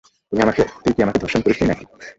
তুই কি আমাকে ধর্ষণ করিসনি নাকি?